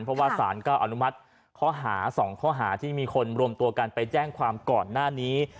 เพราะว่าสารก็อนุมัติข้อหา๒ข้อหาที่มีคนรวมตัวกันไปแจ้งความก่อนหน้านี้